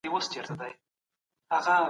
توبه کول د ګناهونو مينځل دي.